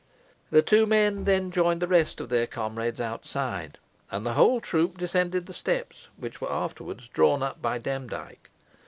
The two men then joined the rest of their comrades outside, and the whole troop descended the steps, which were afterwards drawn up by Demdike.